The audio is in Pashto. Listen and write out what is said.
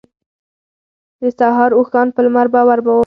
د سهار اوښان په لمر بار وو.